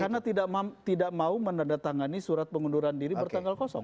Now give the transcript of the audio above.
karena tidak mau menandatangani surat pengunduran diri bertanggal kosong